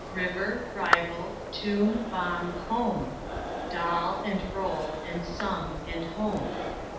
River, rival; tomb, bomb, comb; Doll and roll and some and home.